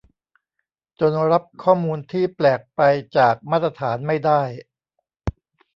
จนรับข้อมูลที่แปลกไปจากมาตรฐานไม่ได้